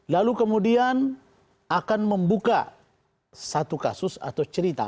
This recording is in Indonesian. lalu kemudian akan membuka satu kasus atau cerita